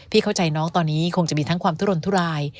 เข้าใจน้องตอนนี้คงจะมีทั้งความทุรนทุราย